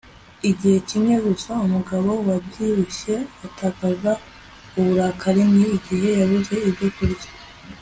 Igihe kimwe gusa umugabo wabyibushye atakaza uburakari ni igihe yabuze ibyo kurya